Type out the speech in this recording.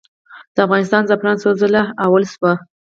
د افغانستان زعفران څو ځله لومړي شوي؟